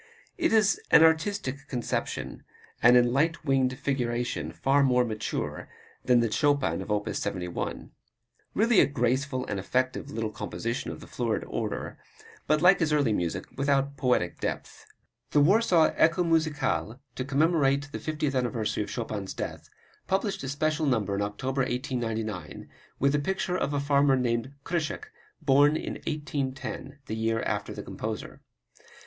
It is an artistic conception, and in "light winged figuration" far more mature than the Chopin of op. 71. Really a graceful and effective little composition of the florid order, but like his early music without poetic depth. The Warsaw "Echo Musicale," to commemorate the fiftieth anniversary of Chopin's death, published a special number in October, 1899, with the picture of a farmer named Krysiak, born in 1810, the year after the composer.